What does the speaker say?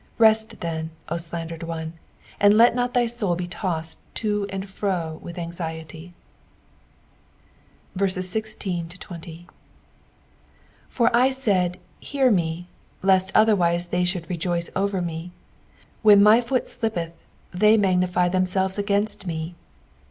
Rest then, O slandered one, end let not thy soul be tossed to and fro villi anxiety. 16 For I said, I/ear me, lest otherwise they should rejoice over me : when my foot slippeth, they magnify themselves against me.